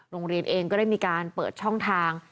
โรงเรียนเองก็ได้มีการเปิดช่องทาง